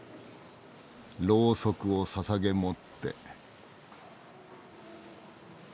ろうそくをささげ持って。